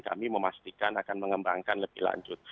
kami memastikan akan mengembangkan lebih lanjut